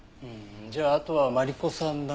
うーんじゃああとはマリコさん